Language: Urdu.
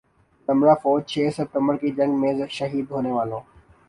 ذمرہ فوج چھ ستمبر کی جنگ میں شہید ہونے والوں